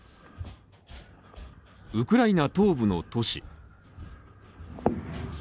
ウクライナ東部の都市。